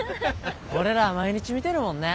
俺らは毎日見てるもんね。